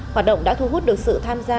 hoạt động đã thu hút được sự tham gia